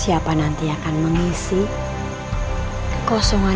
siapa nanti yang akan mengisi kekosongan